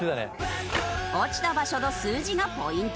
落ちた場所の数字がポイント。